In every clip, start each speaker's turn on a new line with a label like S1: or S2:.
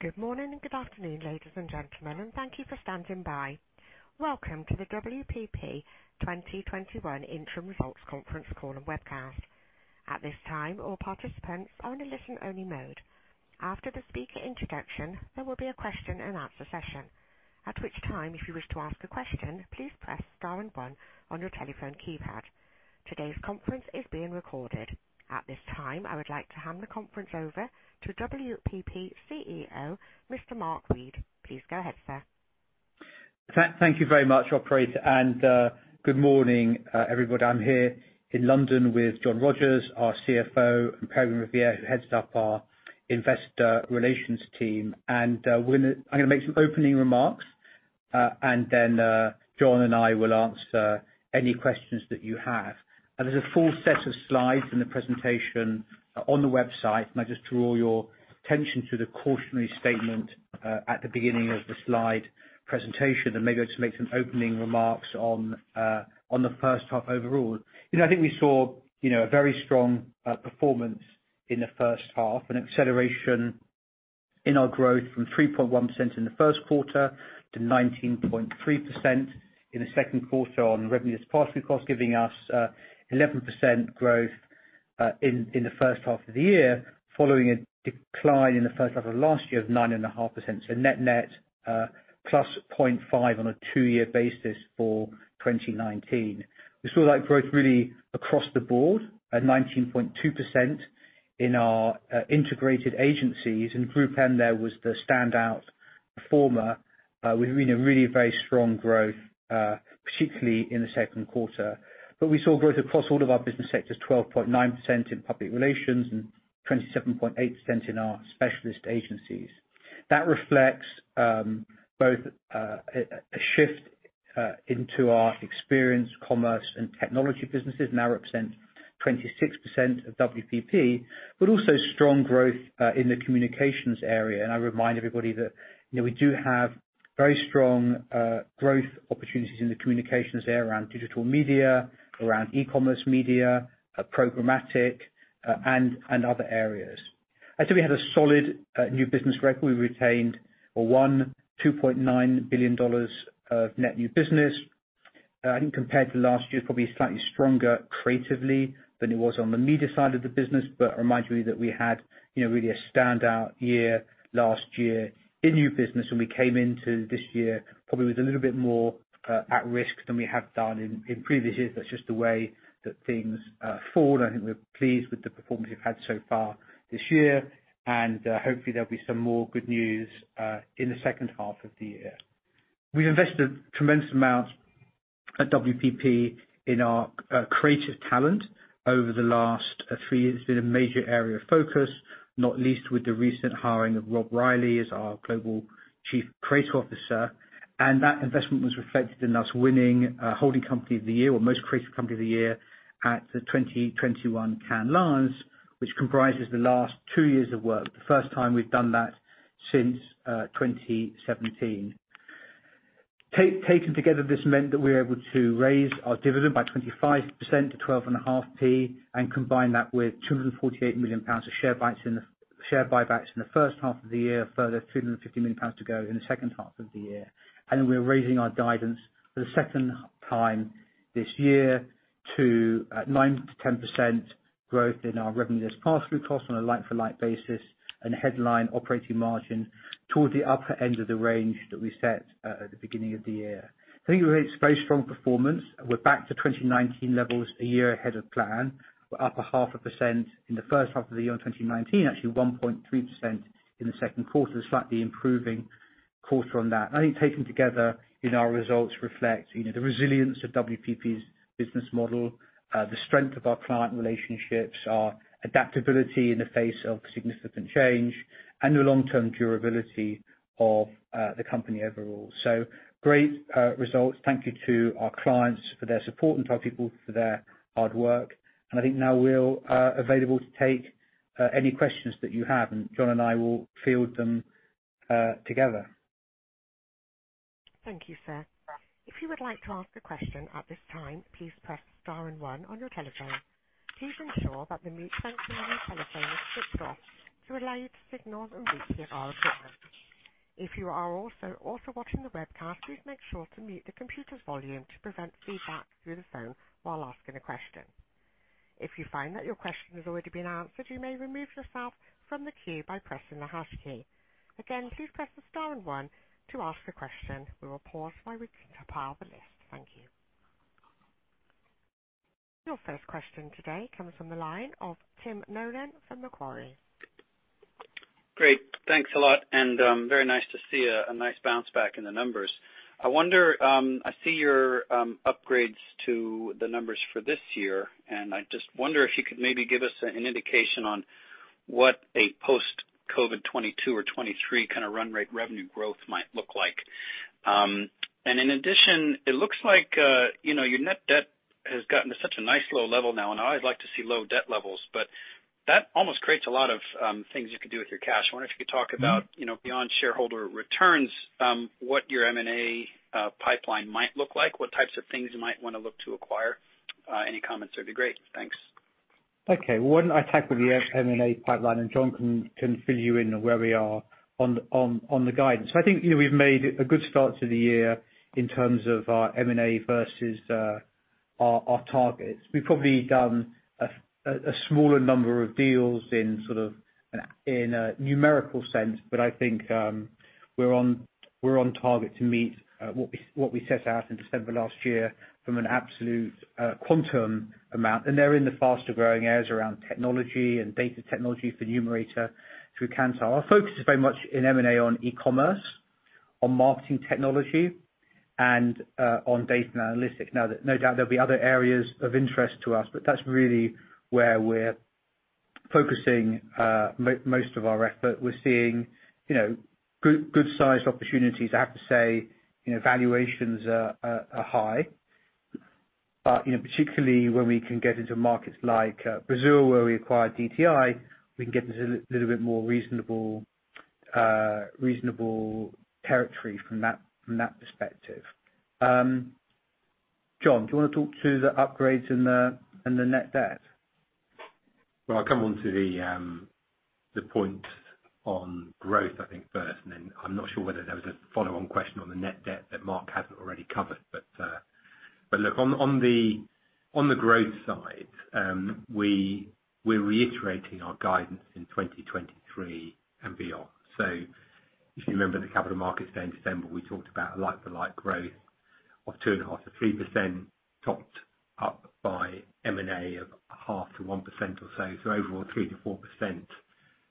S1: Good morning and good afternoon, ladies and gentlemen, and thank you for standing by. Welcome to the WPP 2021 Interim Results Conference Call and Webcast. At this time, all participants are in a listen-only mode. After the speaker introduction, there will be a question and answer session. At which time, if you wish to ask a question, please press star and one on your telephone keypad. Today's conference is being recorded. At this time, I would like to hand the conference over to WPP CEO, Mr. Mark Read. Please go ahead, sir.
S2: Thank you very much, operator. Good morning, everybody. I'm here in London with John Rogers, our CFO, and Peregrine Riviere, who heads up our investor relations team. I'm going to make some opening remarks, and then John and I will answer any questions that you have. There's a full set of slides in the presentation on the website, and I just draw your attention to the cautionary statement at the beginning of the slide presentation. Maybe I'll just make some opening remarks on the first half overall. I think we saw a very strong performance in the first half, an acceleration in our growth from 3.1% in the first quarter to 19.3% in the second quarter on revenue as pass-through cost, giving us 11% growth in the first half of the year, following a decline in the first half of last year of 9.5%. Net-net, plus 0.5 on a two-year basis for 2019. We saw that growth really across the board at 19.2% in our integrated agencies, and GroupM there was the standout performer with really very strong growth, particularly in the second quarter. We saw growth across all of our business sectors, 12.9% in public relations and 27.8% in our specialist agencies. That reflects both a shift into our experience commerce and technology businesses, now represent 26% of WPP, but also strong growth in the communications area. I remind everybody that we do have very strong growth opportunities in the communications area around digital media, around e-commerce media, programmatic, and other areas. I'd say we had a solid new business record. We retained or won GBP 2.9 billion of net new business. I think compared to last year, probably slightly stronger creatively than it was on the media side of the business. Remind you that we had really a standout year last year in new business, and we came into this year probably with a little bit more at risk than we have done in previous years. That's just the way that things fall. I think we're pleased with the performance we've had so far this year, and hopefully there'll be some more good news in the second half of the year. We've invested tremendous amounts at WPP in our creative talent over the last three years, been a major area of focus, not least with the recent hiring of Rob Reilly as our Global Chief Creative Officer. That investment was reflected in us winning Holding Company of the Year or Most Creative Company of the year at the 2021 Cannes Lions, which comprises the last two years of work. The first time we've done that since 2017. Taken together, this meant that we were able to raise our dividend by 25% to 0.125 and combine that with 248 million pounds of share buybacks in the first half of the year, a further 350 million pounds to go in the second half of the year. We're raising our guidance for the second time this year to 9%-10% growth in our revenue as pass-through cost on a like-for-like basis and headline operating margin towards the upper end of the range that we set at the beginning of the year. I think it's very strong performance. We're back to 2019 levels a year ahead of plan. We're up a half a percent in the first half of the year on 2019, actually 1.3% in the second quarter, slightly improving quarter on that. I think taken together our results reflect the resilience of WPP's business model, the strength of our client relationships, our adaptability in the face of significant change, and the long-term durability of the company overall. Great results. Thank you to our clients for their support and to our people for their hard work. I think now we're available to take any questions that you have, and John and I will field them together.
S1: Thank you, sir. If you would like to ask a question at this time, please press star one on your telephone. Please ensure that the mute function on your telephone is switched off to allow your signals and receipt of our equipment. If you are also watching the webcast, please make sure to mute the computer's volume to prevent feedback through the phone while asking a question. If you find that your question has already been answered, you may remove yourself from the queue by pressing the star key. Again, please press star one to ask a question. We will pause while we compile the list. Thank you. Your first question today comes from the line of Tim Nolan from Macquarie.
S3: Great. Thanks a lot. Very nice to see a nice bounce back in the numbers. I see your upgrades to the numbers for this year. I just wonder if you could maybe give us an indication on what a post-COVID 2022 or 2023 run rate revenue growth might look like. In addition, it looks like your net debt has gotten to such a nice low level now. I always like to see low debt levels. That almost creates a lot of things you could do with your cash. I wonder if you could talk about beyond shareholder returns, what your M&A pipeline might look like, what types of things you might want to look to acquire. Any comments would be great. Thanks.
S2: Okay. Why don't I tackle the M&A pipeline, and John can fill you in on where we are on the guidance? I think we've made a good start to the year in terms of our M&A versus our targets. We've probably done a smaller number of deals in a numerical sense, but I think we're on target to meet what we set out in December last year from an absolute quantum amount, and they're in the faster-growing areas around technology and data technology for Numerator through Kantar. Our focus is very much in M&A on e-commerce, on marketing technology, and on data and analytics. Now, no doubt there'll be other areas of interest to us, but that's really where we're focusing most of our effort. We're seeing good size opportunities. I have to say, valuations are high. Particularly when we can get into markets like Brazil, where we acquired DTI, we can get into a little bit more reasonable territory from that perspective. John, do you want to talk to the upgrades and the net debt?
S4: I will come onto the point on growth, I think, first, and then I'm not sure whether there was a follow-on question on the net debt that Mark hasn't already covered. On the growth side, we're reiterating our guidance in 2023 and beyond. If you remember the Capital Markets Day in December, we talked about a like-for-like growth of 2.5%-3% topped up by M&A of 0.5%-1% or so. Overall, 3%-4%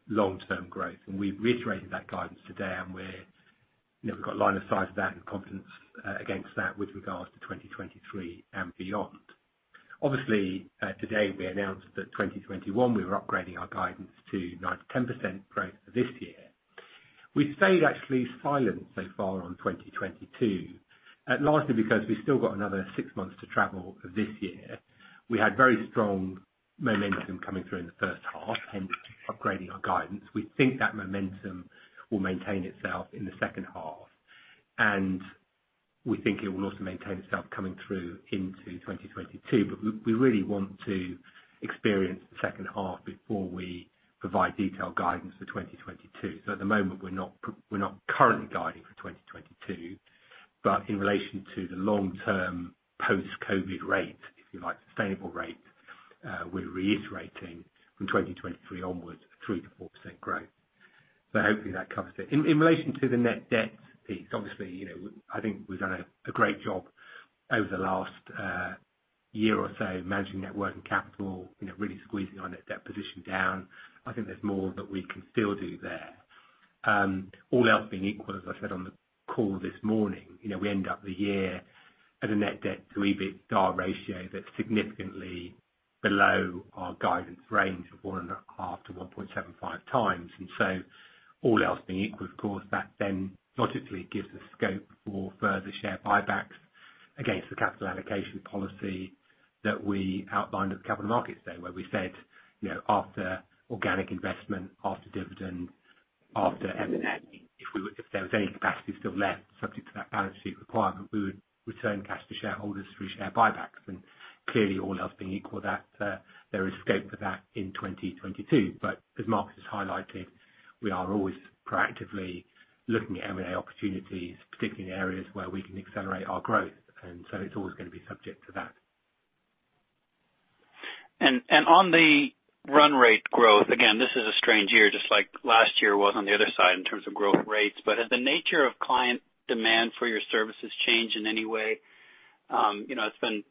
S4: long-term growth. We've reiterated that guidance today, and we've got line of sight of that and confidence against that with regards to 2023 and beyond. Obviously, today we announced that 2021, we were upgrading our guidance to 9%-10% growth for this year. We've stayed actually silent so far on 2022, largely because we've still got another six months to travel this year. We had very strong momentum coming through in the first half, hence upgrading our guidance. We think that momentum will maintain itself in the second half, and we think it will also maintain itself coming through into 2022. We really want to experience the second half before we provide detailed guidance for 2022. At the moment, we're not currently guiding for 2022, but in relation to the long-term post-COVID rate, if you like, sustainable rate, we're reiterating from 2023 onwards a 3%-4% growth. Hopefully that covers it. In relation to the net debt piece, obviously, I think we've done a great job over the last year or so managing net working capital, really squeezing our net debt position down. I think there's more that we can still do there. All else being equal, as I said on the call this morning, we end up the year at a net debt to EBITDA ratio that's significantly below our guidance range of 1.5 to 1.75 times. All else being equal, of course, that logically gives us scope for further share buybacks against the capital allocation policy that we outlined at the Capital Markets Day, where we said after organic investment, after dividend, after M&A, if there was any capacity still left subject to that balance sheet requirement, we would return cash to shareholders through share buybacks. Clearly, all else being equal, there is scope for that in 2022. As Mark has highlighted, we are always proactively looking at M&A opportunities, particularly in areas where we can accelerate our growth. It's always going to be subject to that.
S3: On the run rate growth, again, this is a strange year, just like last year was on the other side in terms of growth rates. Has the nature of client demand for your services changed in any way? It's been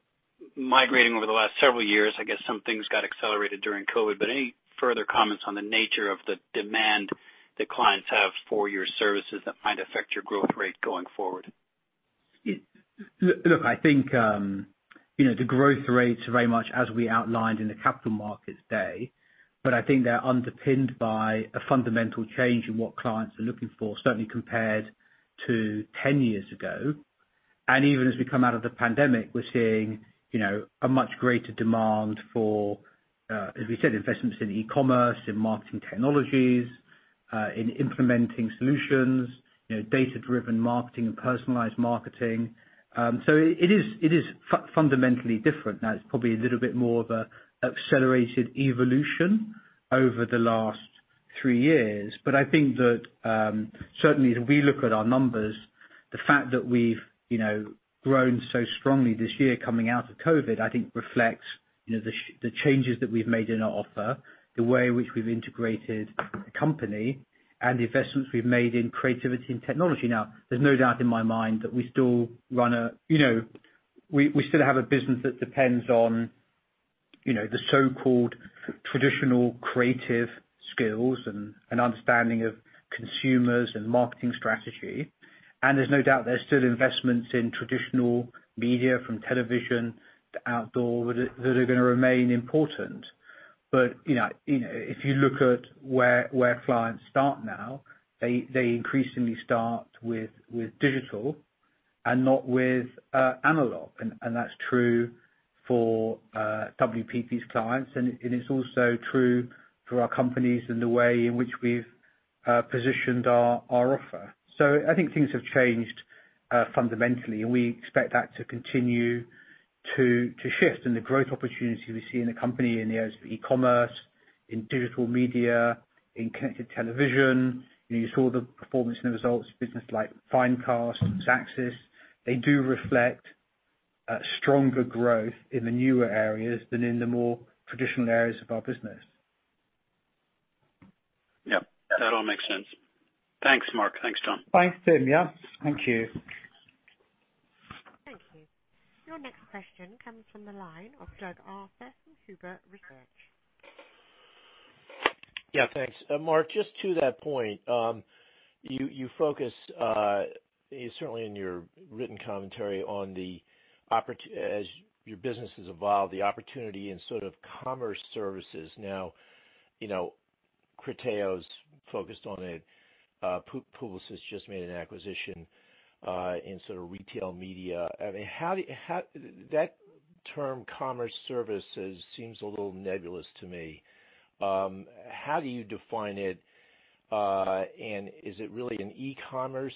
S3: migrating over the last several years. I guess some things got accelerated during COVID, any further comments on the nature of the demand that clients have for your services that might affect your growth rate going forward?
S2: Look, I think the growth rates are very much as we outlined in the Capital Markets Day, I think they're underpinned by a fundamental change in what clients are looking for, certainly compared to 10 years ago. Even as we come out of the pandemic, we're seeing a much greater demand for, as we said, investments in e-commerce, in marketing technologies, in implementing solutions, data-driven marketing, and personalized marketing. It is fundamentally different now. It's probably a little bit more of a accelerated evolution over the last three years. I think that certainly as we look at our numbers, the fact that we've grown so strongly this year coming out of COVID, I think reflects the changes that we've made in our offer, the way in which we've integrated the company, and the investments we've made in creativity and technology. Now, there's no doubt in my mind that we still have a business that depends on the so-called traditional creative skills and understanding of consumers and marketing strategy. There's no doubt there's still investments in traditional media from television to outdoor that are going to remain important. If you look at where clients start now, they increasingly start with digital and not with analog. That's true for WPP's clients, and it's also true for our companies and the way in which we've-positioned our offer. I think things have changed fundamentally, and we expect that to continue to shift. The growth opportunity we see in the company in the areas of e-commerce, in digital media, in connected television, you saw the performance in the results, business like Finecast, Xaxis, they do reflect stronger growth in the newer areas than in the more traditional areas of our business.
S3: Yep. That all makes sense. Thanks, Mark. Thanks, John.
S2: Thanks, Tim. Yeah. Thank you.
S1: Thank you. Your next question comes from the line of Doug Arthur from Huber Research.
S5: Yeah, thanks. Mark, just to that point, you focus, certainly in your written commentary, as your business has evolved, the opportunity in sort of commerce services. Criteo's focused on it. Publicis just made an acquisition in sort of retail media. That term commerce services seems a little nebulous to me. How do you define it? Is it really an e-commerce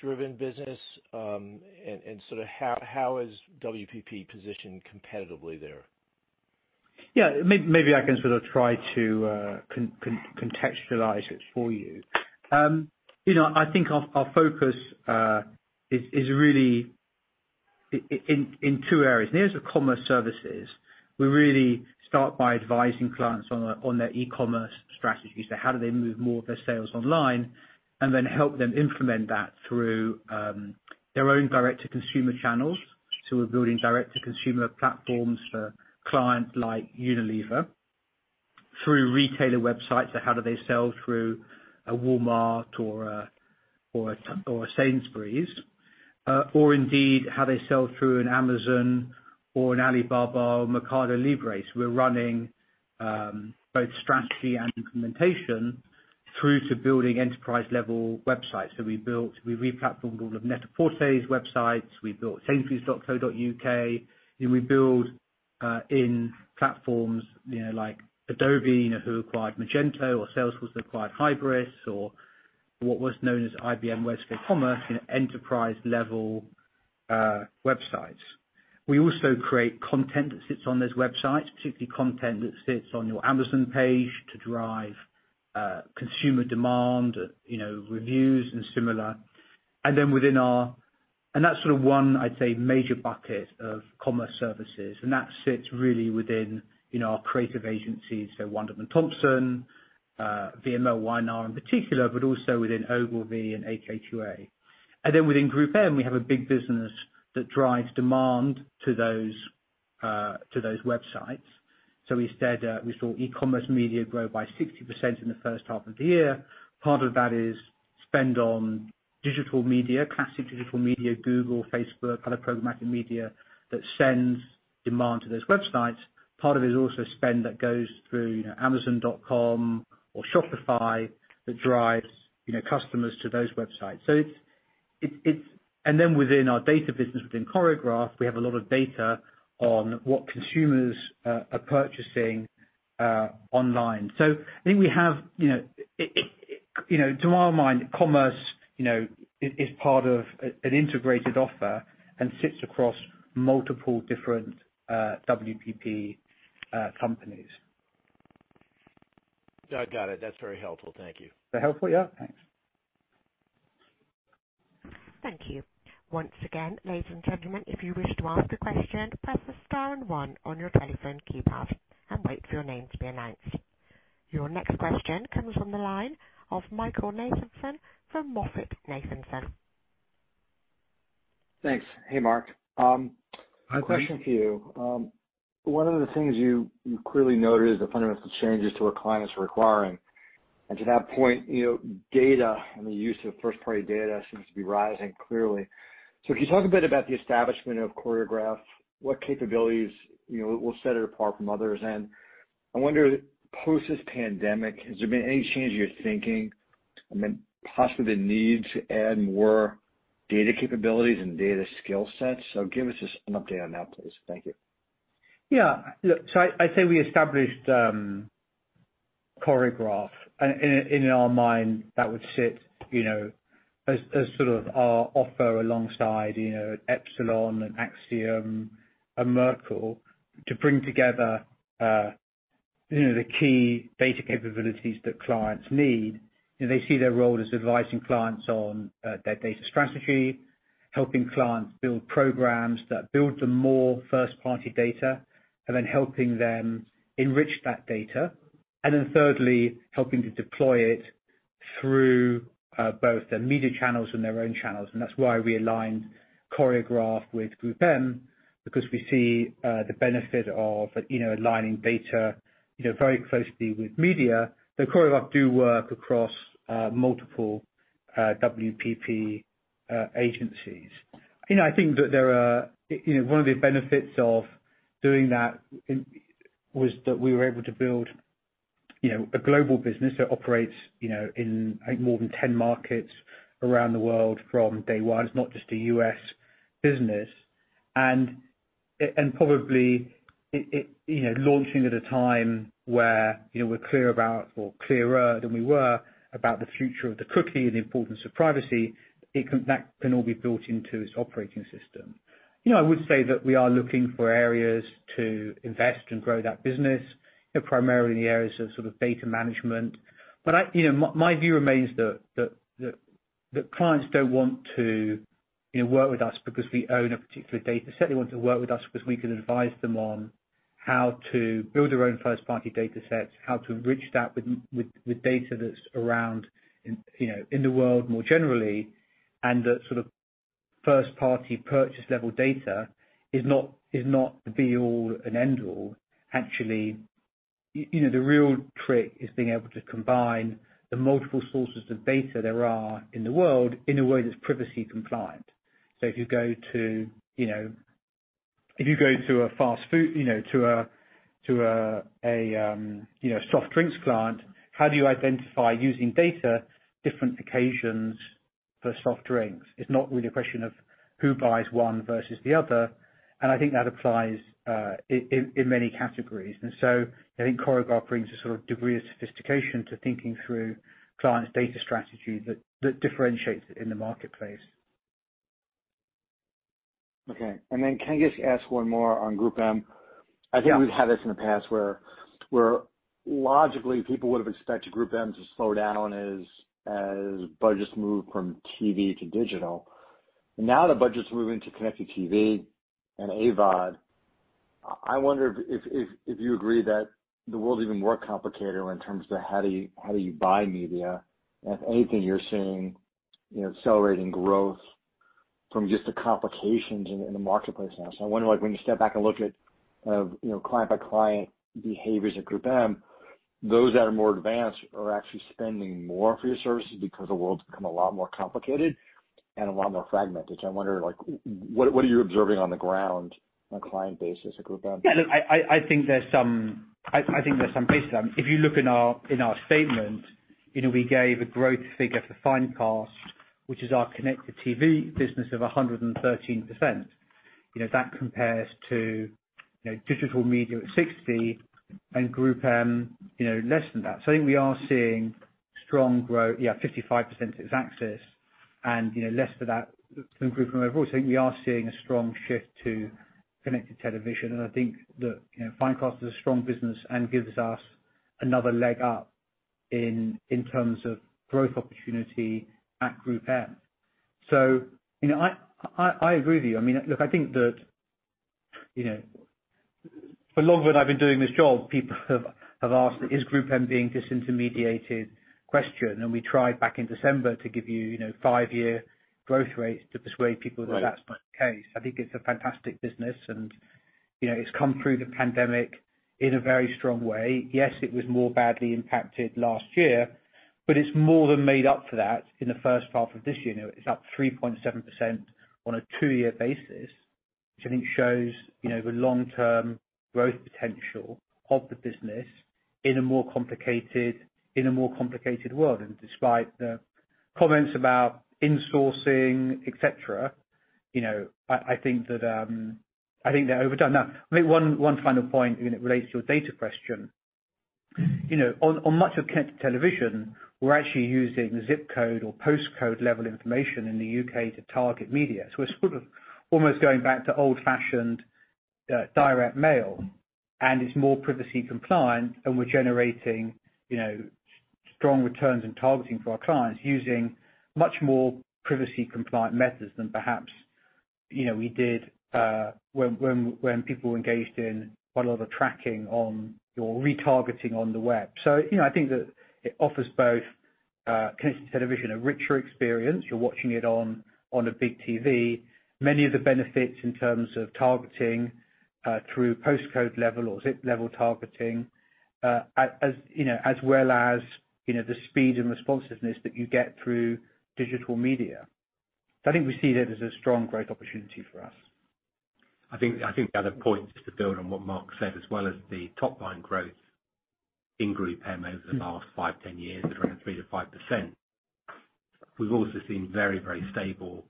S5: driven business? Sort of how is WPP positioned competitively there?
S2: Yeah. Maybe I can sort of try to contextualize it for you. I think our focus is really in two areas. These are commerce services. We really start by advising clients on their e-commerce strategies. How do they move more of their sales online? Help them implement that through their own direct-to-consumer channels. We're building direct-to-consumer platforms for a client like Unilever through retailer websites, so how do they sell through a Walmart or a Sainsbury's. Indeed, how they sell through an Amazon or an Alibaba or MercadoLibre. We're running both strategy and implementation through to building enterprise level websites. We re-platformed all of Net-a-Porter's websites. We built sainsburys.co.uk. We build in platforms like Adobe, who acquired Magento, or Salesforce that acquired Hybris, or what was known as IBM WebSphere Commerce, enterprise level websites. We also create content that sits on those websites, particularly content that sits on your Amazon page to drive consumer demand, reviews, and similar. That's sort of one, I'd say, major bucket of commerce services, and that sits really within our creative agencies, so Wunderman Thompson, VMLY&R in particular, but also within Ogilvy and AKQA. Then within GroupM, we have a big business that drives demand to those websites. We saw e-commerce media grow by 60% in the first half of the year. Part of that is spend on digital media, classic digital media, Google, Facebook, other programmatic media that sends demand to those websites. Part of it is also spend that goes through amazon.com or Shopify that drives customers to those websites. Then within our data business, within Choreograph, we have a lot of data on what consumers are purchasing online. To our mind, commerce is part of an integrated offer and sits across multiple different WPP companies.
S5: Got it. That's very helpful. Thank you.
S2: That helpful, yeah? Thanks.
S1: Thank you. Once again ladies and gentlemen if you wish to ask a question, press star and one on your telephone keypad, and wait for your name to be announce. Your next question comes from the line of Michael Nathanson from MoffettNathanson.
S6: Thanks. Hey, Mark.
S2: Hi, Michael.
S6: A question for you. One of the things you clearly noted is the fundamental changes to what clients are requiring. To that point, data and the use of first party data seems to be rising clearly. Can you talk a bit about the establishment of Choreograph, what capabilities will set it apart from others? I wonder, post this pandemic, has there been any change in your thinking and then possibly the need to add more data capabilities and data skill sets? Give us just an update on that, please. Thank you.
S2: Look, I'd say we established Choreograph, in our mind that would sit as sort of our offer alongside Epsilon and Acxiom and Merkle to bring together the key data capabilities that clients need. They see their role as advising clients on their data strategy, helping clients build programs that build them more first party data, and then helping them enrich that data. Thirdly, helping to deploy it through both their media channels and their own channels. That's why we aligned Choreograph with GroupM because we see the benefit of aligning data very closely with media, though Choreograph do work across multiple WPP agencies. I think that one of the benefits of doing that was that we were able to build a global business that operates in, I think, more than 10 markets around the world from day one. It's not just a U.S. business. Probably, launching at a time where we're clear about, or clearer than we were, about the future of the cookie and the importance of privacy, that can all be built into its operating system. I would say that we are looking for areas to invest and grow that business, primarily in the areas of data management. My view remains that clients don't want to work with us because we own a particular data set. They want to work with us because we can advise them on how to build their own first-party data sets, how to enrich that with data that's around in the world more generally, and that first-party purchase level data is not the be all and end all. Actually, the real trick is being able to combine the multiple sources of data there are in the world in a way that's privacy compliant. If you go to a soft drinks client, how do you identify, using data, different occasions for soft drinks? It's not really a question of who buys one versus the other, and I think that applies in many categories. I think Choreograph brings a degree of sophistication to thinking through clients' data strategy that differentiates it in the marketplace.
S6: Okay, can I just ask one more on GroupM?
S2: Yeah.
S6: I think we've had this in the past where logically, people would've expected GroupM to slow down as budgets moved from TV to digital. Now that budgets are moving to connected TV and AVOD, I wonder if you agree that the world's even more complicated in terms of how do you buy media, and if anything you're seeing accelerating growth from just the complications in the marketplace now. I wonder, when you step back and look at client-by-client behaviors at GroupM, those that are more advanced are actually spending more for your services because the world's become a lot more complicated and a lot more fragmented. I wonder, what are you observing on the ground on a client basis at GroupM?
S2: Look, I think there's some basis. If you look in our statement, we gave a growth figure for Finecast, which is our connected TV business, of 113%. That compares to digital media at 60% and GroupM less than that. I think we are seeing 55% is Xaxis, and less for that from GroupM. I would say we are seeing a strong shift to connected television, and I think that Finecast is a strong business and gives us another leg up in terms of growth opportunity at GroupM. I agree with you. Look, I think that for long when I've been doing this job, people have asked the is GroupM being disintermediated question, and we tried back in December to give you five-year growth rates.
S6: Right.
S2: That that's not the case. I think it's a fantastic business, and it's come through the pandemic in a very strong way. Yes, it was more badly impacted last year, but it's more than made up for that in the first half of this year. It's up 3.7% on a two-year basis, which I think shows the long-term growth potential of the business in a more complicated world. Despite the comments about insourcing, et cetera, I think they're overdone. Maybe one final point, and it relates to your data question. On much of connected television, we're actually using ZIP code or post code level information in the U.K. to target media. We're sort of almost going back to old-fashioned direct mail, and it's more privacy compliant, and we're generating strong returns and targeting for our clients using much more privacy compliant methods than perhaps we did when people were engaged in quite a lot of the tracking on, or retargeting on the web. I think that it offers both connected television a richer experience, you're watching it on a big TV, many of the benefits in terms of targeting through post code level or ZIP level targeting, as well as the speed and responsiveness that you get through digital media. I think we see it as a strong growth opportunity for us.
S4: I think the other point, just to build on what Mark said, as well as the top-line growth in GroupM over the past five, 10 years around 3%-5%, we've also seen very, very stable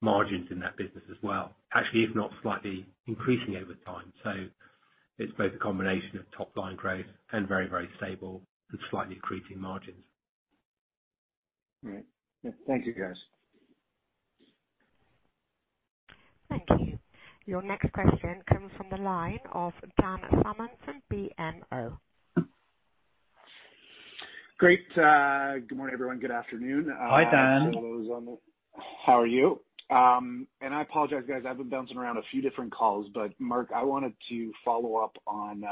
S4: margins in that business as well, actually, if not slightly increasing over time. It's both a combination of top-line growth and very, very stable and slightly increasing margins.
S6: All right. Thank you, guys.
S1: Thank you. Your next question comes from the line of Dan Salmon, BMO.
S7: Great. Good morning, everyone. Good afternoon.
S2: Hi, Dan.
S7: How are you? I apologize, guys. I've been bouncing around a few different calls. Mark, I wanted to follow up on.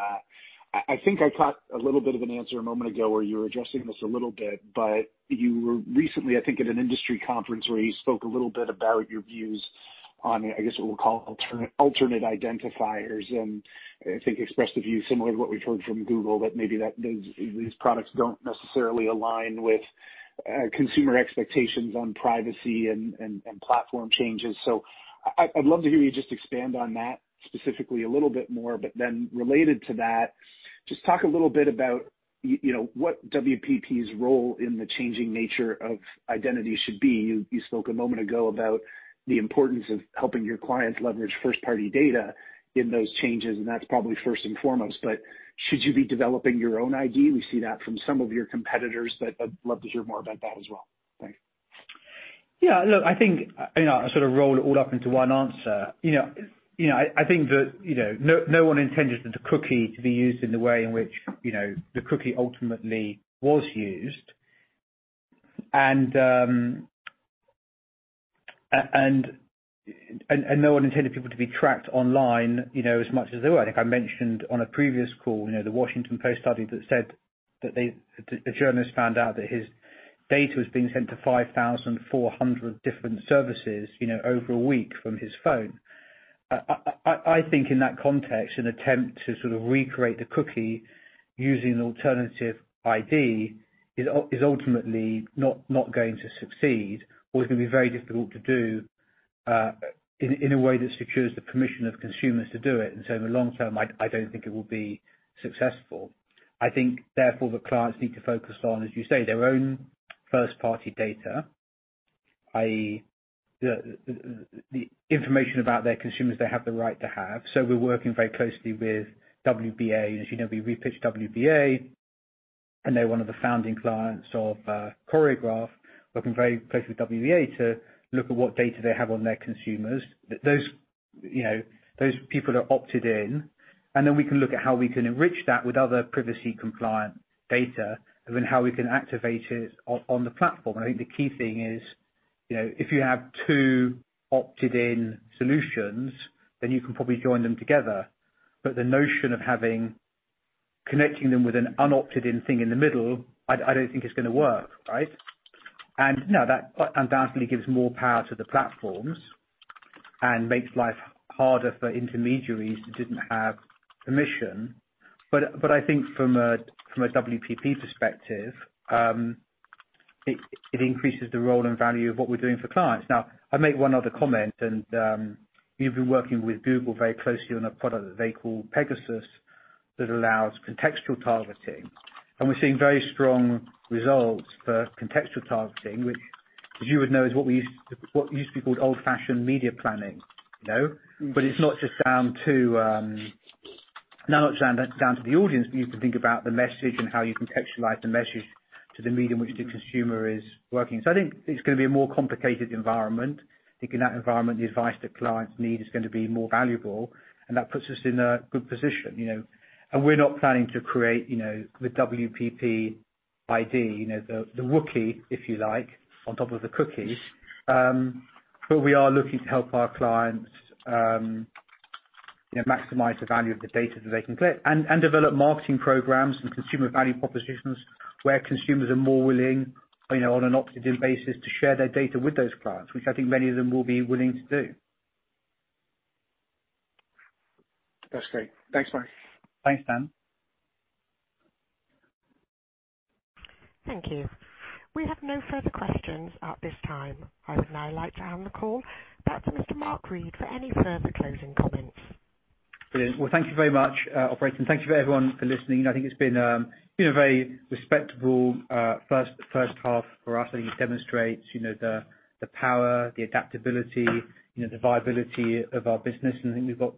S7: I think I caught a little bit of an answer a moment ago where you were addressing this a little bit, but you were recently, I think, at an industry conference where you spoke a little bit about your views on, I guess what we'll call alternate identifiers, and I think expressed the view similar to what we've heard from Google, that maybe these products don't necessarily align with consumer expectations on privacy and platform changes. I'd love to hear you just expand on that specifically a little bit more, but then related to that, just talk a little bit about what WPP's role in the changing nature of identity should be. You spoke a moment ago about the importance of helping your clients leverage first-party data in those changes. That's probably first and foremost, but should you be developing your own ID? We see that from some of your competitors. I'd love to hear more about that as well. Thanks.
S2: Yeah, look, I think I sort of roll it all up into one answer. I think that no one intended the cookie to be used in the way in which the cookie ultimately was used. No one intended people to be tracked online as much as they were. I think I mentioned on a previous call, The Washington Post study that said that the journalist found out that his data was being sent to 5,400 different services over a week from his phone. I think in that context, an attempt to sort of recreate the cookie using alternative ID is ultimately not going to succeed or is going to be very difficult to do in a way that secures the permission of consumers to do it. In the long term, I don't think it will be successful. I think therefore, the clients need to focus on, as you say, their own first-party data, i.e., the information about their consumers they have the right to have. We're working very closely with WBA. As you know, we repitched WBA, and they're one of the founding clients of Choreograph, working very closely with WBA to look at what data they have on their consumers, those people that are opted in, and then we can look at how we can enrich that with other privacy-compliant data and then how we can activate it on the platform. I think the key thing is, if you have two opted-in solutions, then you can probably join them together. The notion of connecting them with an un-opted-in thing in the middle, I don't think is going to work, right? No, that undoubtedly gives more power to the platforms and makes life harder for intermediaries who didn't have permission. I think from a WPP perspective, it increases the role and value of what we're doing for clients. I'll make one other comment, and we've been working with Google very closely on a product that they call Pegasus that allows contextual targeting. We're seeing very strong results for contextual targeting, which as you would know, is what used to be called old-fashioned media planning. It's not just down to the audience, but you can think about the message and how you contextualize the message to the medium which the consumer is working. I think it's going to be a more complicated environment. I think in that environment, the advice that clients need is going to be more valuable, and that puts us in a good position. We're not planning to create the WPP ID, the Wookie, if you like, on top of the cookies. We are looking to help our clients maximize the value of the data that they can get and develop marketing programs and consumer value propositions where consumers are more willing, on an opt-in basis, to share their data with those clients, which I think many of them will be willing to do.
S7: That's great. Thanks, Mark.
S2: Thanks, Dan.
S1: Thank you. We have no further questions at this time. I would now like to hand the call back to Mr. Mark Read for any further closing comments.
S2: Brilliant. Well, thank you very much, operator. Thank you for everyone for listening. I think it's been a very respectable first half for us. I think it demonstrates the power, the adaptability, the viability of our business. I think we've got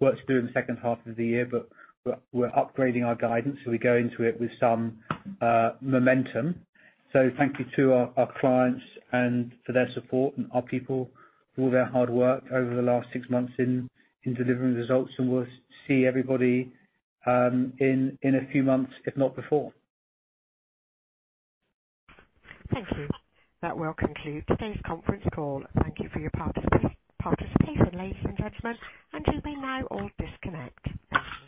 S2: work to do in the second half of the year. We're upgrading our guidance. We go into it with some momentum. Thank you to our clients and for their support and our people for all their hard work over the last six months in delivering results. We'll see everybody in a few months, if not before.
S1: Thank you. That will conclude today's conference call. Thank you for your participation, ladies and gentlemen, and you may now all disconnect.
S2: Thank you.